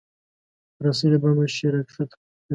رسۍ له بامه شی راکښته کوي.